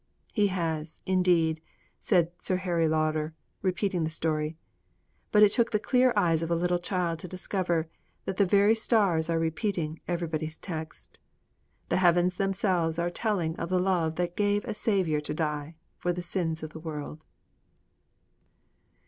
"' 'He has, indeed!' said Sir Harry Lauder, in repeating the story. But it took the clear eyes of a little child to discover that the very stars are repeating Everybody's Text. The heavens themselves are telling of the love that gave a Saviour to die for the sins of the world.